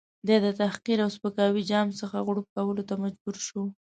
دی د تحقیر او سپکاوي جام څخه غوړپ کولو ته مجبور شو.